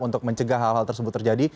untuk mencegah hal hal tersebut terjadi